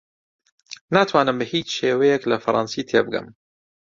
ناتوانم بە هیچ شێوەیەک لە فەڕەنسی تێبگەم.